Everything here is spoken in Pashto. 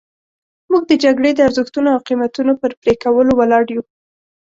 موږ د جګړې د ارزښتونو او قیمتونو پر پرې کولو ولاړ یو.